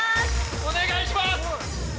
お願いします。